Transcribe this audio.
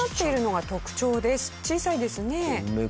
小さいですね。